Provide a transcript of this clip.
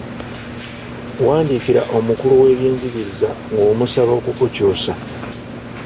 Wandiikira omukulu w’ebyenjigiriza ng'omusaba okukukyusa.